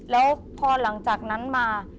แล้วพอหลังจากนั้นมา